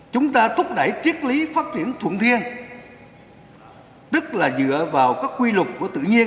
chúng ta thúc đẩy triết lý phát triển thuận thiên tức là dựa vào các quy luật của tự nhiên